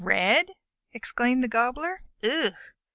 "Red!" exclaimed the Gobbler. "Ugh!"